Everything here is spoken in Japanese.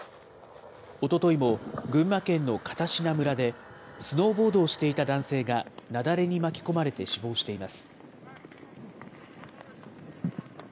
おとといも群馬県の片品村で、スノーボードをしていた男性が、雪崩に巻き込まれて死亡しています。